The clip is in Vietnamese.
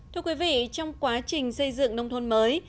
thưa quý vị trong quá trình xây dựng nông thôn mới